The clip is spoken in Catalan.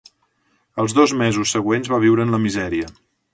Els dos mesos següents va viure en la misèria.